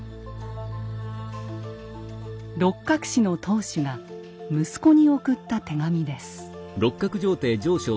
六角氏の当主が息子に送った手紙です。